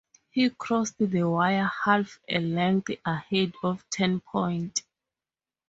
He crossed the wire half a length ahead of Ten Point.